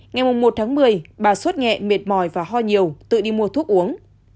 ngày một tháng một mươi bà suốt nhẹ mệt mỏi và ho nhiều tự đi mua thuốc uống